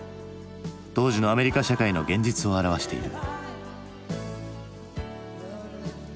当時のアメリカ社会の現実を表している。